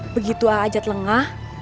begitu a ajat lengah